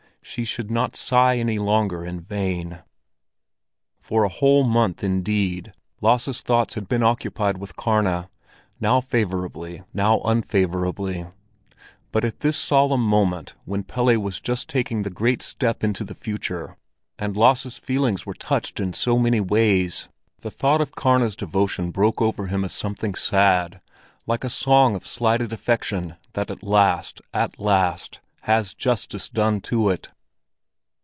She should not sigh any longer in vain. For a whole month indeed, Lasse's thoughts had been occupied with Karna, now favorably, now unfavorably; but at this solemn moment when Pelle was just taking the great step into the future, and Lasse's feelings were touched in so many ways, the thought of Karna's devotion broke over him as something sad, like a song of slighted affection that at last, at last has justice done to it.